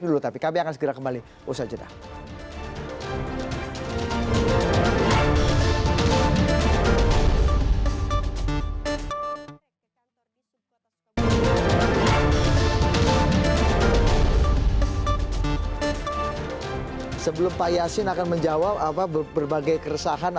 dulu tapi kami akan segera kembali usaha jenang sebelum pak yasin akan menjawab apa berbagai keresahan